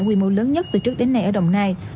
quy mô lớn nhất từ trước đến nay ở đồng nai